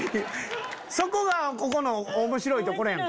そこがここの面白いところやんか。